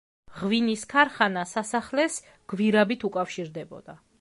ღვინის ქარხანა სასახლეს გვირაბით უკავშირდებოდა.